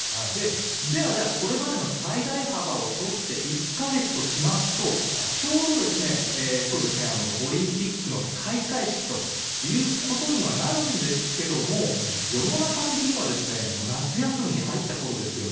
では、これまでの最大幅を取って１か月としますとちょうどオリンピックの開会式ということになるんですけども世の中的には夏休みに入ったころですよね。